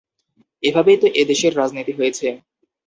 এভাবেই তো এ দেশের রাজনীতি হয়েছে।